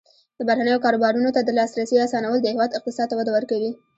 د بهرنیو کاروبارونو ته د لاسرسي اسانول د هیواد اقتصاد ته وده ورکوي.